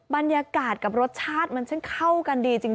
บรรยากาศกับรสชาติมันช่างเข้ากันดีจริง